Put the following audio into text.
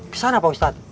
ke sana pak ustadz